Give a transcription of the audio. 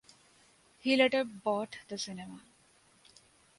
He later bought the cinema.